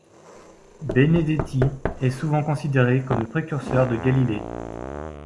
Benedetti est souvent considéré comme le précurseur de Galilée.